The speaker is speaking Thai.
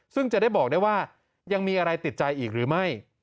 ซึ่งจะได้บอกได้ว่ายังมีอะไรติดใจอีกหรือไม่